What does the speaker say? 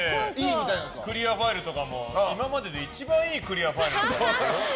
クリアファイルとかも今までで一番いいクリアファイルで。